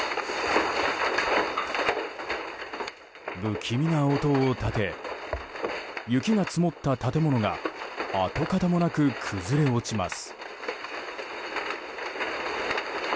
不気味な音を立て雪が積もった建物が跡形もなく崩れ落ちます。